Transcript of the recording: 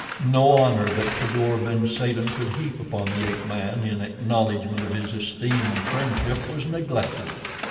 No honor that Kadour ben Saden could heap upon the ape man in acknowledgment of his esteem and friendship was neglected.